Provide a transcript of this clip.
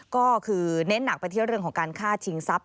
ก็คือเน้นหนักไปที่เรื่องของการฆ่าชิงทรัพย